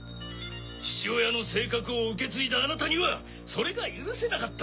父親の性格を受け継いだあなたにはそれが許せなかった。